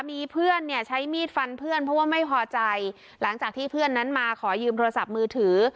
มีเพื่อนเนี่ยใช้มีดฟันเพื่อนเพราะว่าไม่พอใจหลังจากที่เพื่อนนั้นมาขอยืมโทรศัพท์มือถือ